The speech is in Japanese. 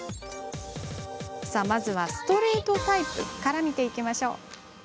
まずはストレートタイプから見ていきましょう。